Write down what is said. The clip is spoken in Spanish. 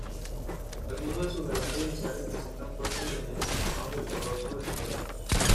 Algunos de sus relatos iniciales presentan fuertes elementos tomados del horror sobrenatural.